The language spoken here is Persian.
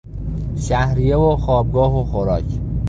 شهریه و خوابگاه و خوراک